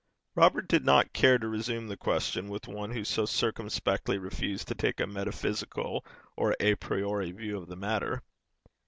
Robert did not care to resume the question with one who so circumspectly refused to take a metaphysical or a priori view of the matter.